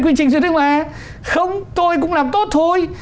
quy trình chính là không tôi cũng làm tốt thôi